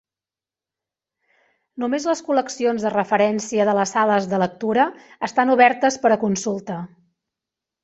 Només les col·leccions de referència de les sales de lectura estan obertes per a consulta.